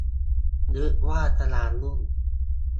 นึกว่ากระดานหุ้น